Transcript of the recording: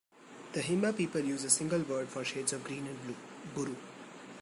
The Himba people use a single word for shades of green and blue: "buru".